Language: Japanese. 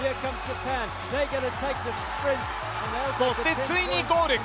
そしてついにゴール！